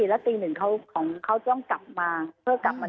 แล้วตีหนึ่งของเขาต้องกลับมาเพื่อกลับมา